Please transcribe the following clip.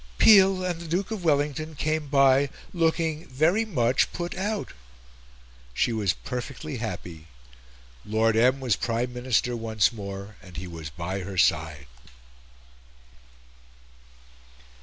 "Peel and the Duke of Wellington came by looking very much put out." She was perfectly happy; Lord M. was Prime Minister once more, and he was by her side.